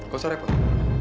gak usah repot